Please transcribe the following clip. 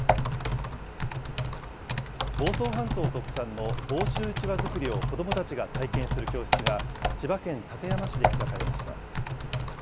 房総半島特産の房州うちわ作りを子どもたちが体験する教室が、千葉県館山市で開かれました。